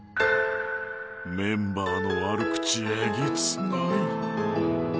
メンバーの悪口えげつない